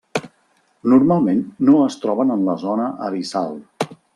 Normalment no es troben en la zona abissal.